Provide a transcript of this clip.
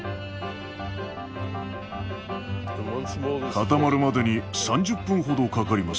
固まるまでに３０分ほどかかります。